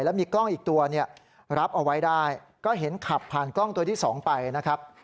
แล้วมีกล้องอีกตัวเนี่ยรับเอาไว้ได้ก็เห็นขับผ่านกล้องตัวที่๒ไปนะครับ